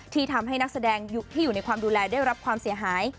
ที่ทำให้นักแสดงที่อยู่ในความดูแลได้รับความเสียหาย